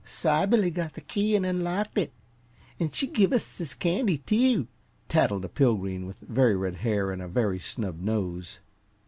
"Sybilly got the key an' unlocked it, an' she give us this candy, too!" tattled a Pilgreen with very red hair and a very snub nose.